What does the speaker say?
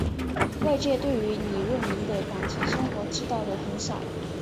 外界对于李闰珉的感情生活知道的很少。